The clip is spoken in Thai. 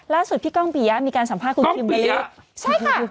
ล่าสุดพี่ก้องปี่ยะมีการสัมภาพกับคุณคิมมะรี่ก้องปี่ยะ